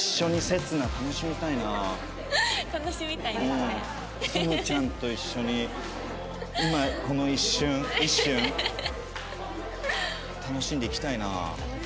つむちゃんと一緒に今この一瞬一瞬楽しんでいきたいな。